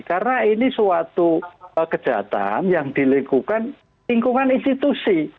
karena ini suatu kejahatan yang dilengkukan lingkungan institusi